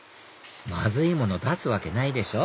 まずいもの出すわけないでしょ！